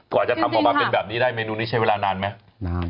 กว่าจะทำเองได้เมนูนี้ใช้เวลานานไหม